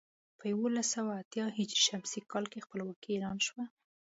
په یولس سوه اتيا ه ش کال کې خپلواکي اعلان شوه.